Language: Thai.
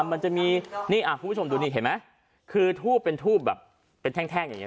มันจะมีนี่คุณผู้ชมดูนี่เห็นไหมคือทูบเป็นทูบแบบเป็นแท่งอย่างนี้